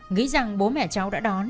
nghĩ rằng bố mẹ cháu đã đón